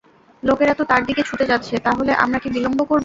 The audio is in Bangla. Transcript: লোকেরা তো তাঁর দিকে ছুটে যাচ্ছে, তা হলে আমরা কি বিলম্ব করব?